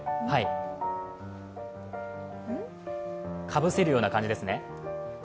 かぶせるような感じですね。